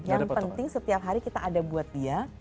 yang penting setiap hari kita ada buat dia